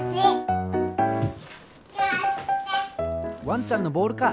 ワンちゃんのボールか。